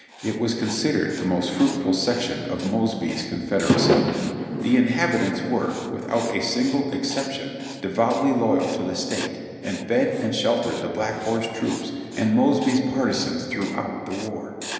It was considered the most fruitful section of Mosby's Confederacy. The inhabitants were, without a single exception, devoutly loyal to the State, and fed and sheltered the Black Horse troops and Mosby's partisans throughout the war.